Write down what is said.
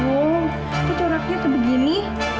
oh kecoraknya tuh begini